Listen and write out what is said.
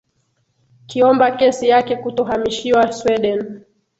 kiomba kesi yake kutohamishiwa sweden